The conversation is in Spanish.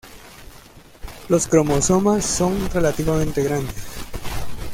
Los cromosomas son relativamente grandes.